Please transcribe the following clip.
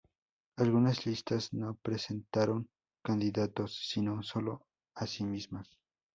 Algunas listas no presentaron candidatos, si no, sólo a sí mismas.